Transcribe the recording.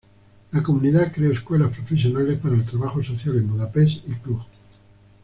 La comunidad creó escuelas profesionales para el trabajo social en Budapest y Cluj.